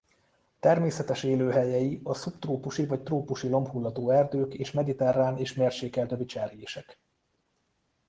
Természetes élőhelyei a szubtrópusi vagy trópusi lombhullató erdők és mediterrán és mérsékelt övi cserjések.